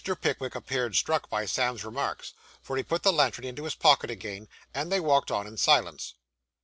Pickwick appeared struck by Sam's remarks, for he put the lantern into his pocket again, and they walked on in silence.